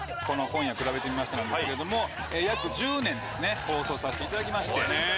この『今夜くらべてみました』なんですけれども約１０年放送させていただきまして。